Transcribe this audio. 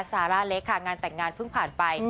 ซาร่าเล็กค่ะงานแต่งงานเพิ่งผ่านไป